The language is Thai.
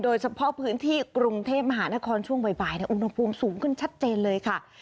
โดยเฉพาะพื้นที่กรุงเทพมหานครช่วงบ่ายอุณหภูมิสูงขึ้นชัดเจนเลยค่ะ